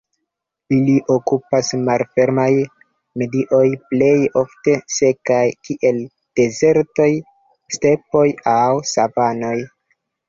Ili okupas malfermajn mediojn plej ofte sekajn, kiel dezertoj, stepoj aŭ savanoj.